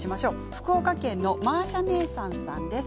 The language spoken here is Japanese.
福岡県の方からです。